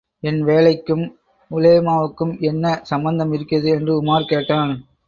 என் வேலைக்கும் உலேமாவுக்கும் என்ன சம்பந்தம் இருக்கிறது? என்று உமார் கேட்டான்.